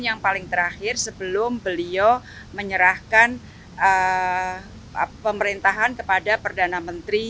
yang paling terakhir sebelum beliau menyerahkan pemerintahan kepada perdana menteri